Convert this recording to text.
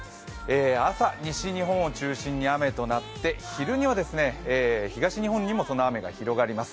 朝、西日本を中心に雨となって、昼には東日本にもその雨が広がります。